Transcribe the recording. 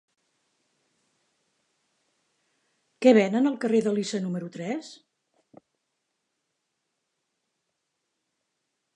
Què venen al carrer d'Elisa número tres?